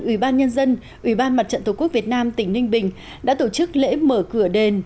ủy ban nhân dân ủy ban mặt trận tổ quốc việt nam tỉnh ninh bình đã tổ chức lễ mở cửa đền